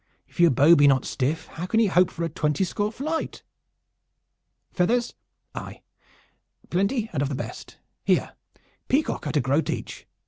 If your bow be not stiff, how can you hope for a twenty score flight. Feathers? Aye, plenty and of the best. Here, peacock at a groat each.